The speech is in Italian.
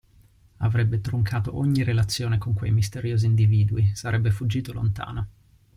Avrebbe troncato ogni relazione con quei misteriosi individui, sarebbe fuggito lontano.